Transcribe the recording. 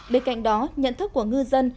bên cạnh đó nhận thức của ngư dân